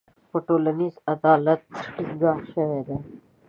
په ټولنیز عدالت ټینګار شوی دی.